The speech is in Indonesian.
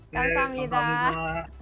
oke terima kasih